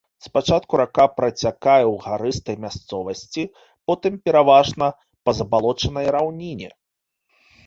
Спачатку рака працякае ў гарыстай мясцовасці, потым пераважна па забалочанай раўніне.